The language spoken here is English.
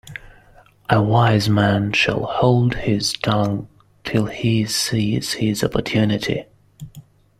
A wise man shall hold his tongue till he sees his opportunity.